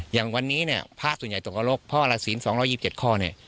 อย่างวันนี้ภาพส่วนใหญ่ตรงกระโลกภาระศีล๒๒๗ข้อ